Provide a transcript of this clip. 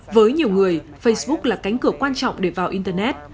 với nhiều người facebook là cánh cửa quan trọng để vào internet